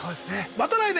また来年。